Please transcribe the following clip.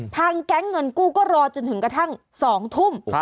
แก๊งเงินกู้ก็รอจนถึงกระทั่ง๒ทุ่ม